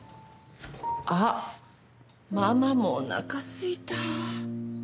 あっママもお腹すいた。